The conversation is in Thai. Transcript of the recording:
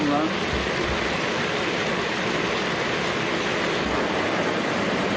พร้อมทุกสิทธิ์